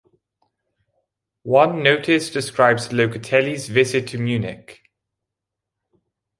One notice describes Locatelli's visit to Munich.